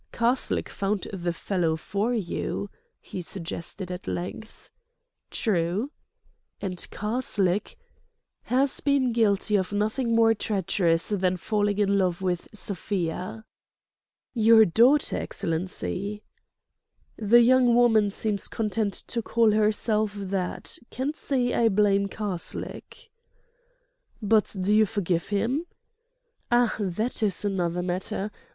"Karslake found the fellow for you," he suggested at length. "True." "And Karslake—" "Has been guilty of nothing more treacherous than falling in love with Sofia." "Your daughter, Excellency!" "The young woman seems content to call herself that.... Can't say I blame Karslake." "But do you forgive him?" "Ah, that is another matter.